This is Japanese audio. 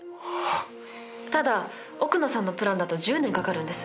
ただ奥野さんのプランだと１０年かかるんです。